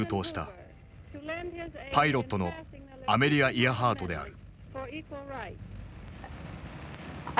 パイロットのアメリア・イアハートである。